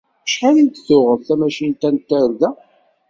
Acḥal i d-tuɣeḍ tamacint-a n tarda?